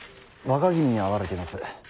若君に会われています。